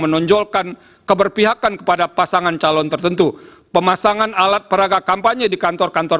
menonjolkan keberpihakan kepada pasangan calon tertentu pemasangan alat peragak kampanye di kantor kantor